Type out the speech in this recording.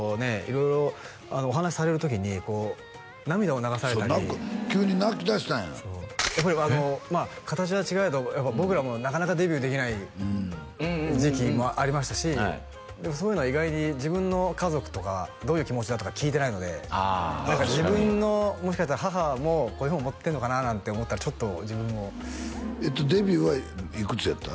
色々お話しされる時にこう涙を流されたりそう何か急に泣きだしたんややっぱり形は違えど僕らもなかなかデビューできない時期もありましたしそういうのは意外に自分の家族とかどういう気持ちだとか聞いてないのであ確かに自分のもしかしたら母もこういうふうに思ってんのかななんて思ったらちょっと自分もデビューはいくつやった？